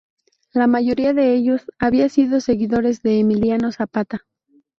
La mayoría de ellos había sido seguidores de Emiliano Zapata.